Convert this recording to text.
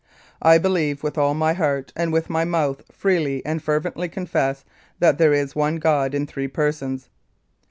"I believe with all my heart, and with my mouth freely and fervently confess that there is one God in three Persons.